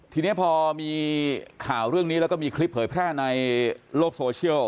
ทีนี้พอมีข่าวเรื่องนี้แล้วก็มีคลิปเผยแพร่ในโลกโซเชียล